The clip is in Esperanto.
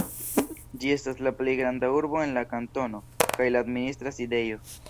Ĝi estas la plej granda urbo en la kantono, kaj la administra sidejo.